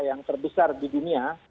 yang terbesar di dunia